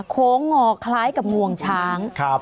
โค้งงอคล้ายกับงวงช้าง